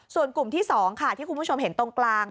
ส่วนกลุ่มที่๒ค่ะที่คุณผู้ชมเห็นตรงกลาง